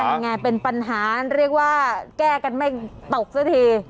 ยังไงเป็นปัญหาเรียกว่าแก้กันไม่ตกซะที